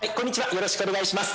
よろしくお願いします